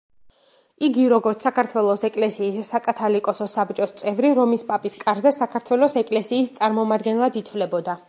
იგი, როგორც საქართველოს ეკლესიის საკათალიკოსო საბჭოს წევრი რომის პაპის კარზე საქართველოს ეკლესიის წარმომადგენლად ითვლებოდა.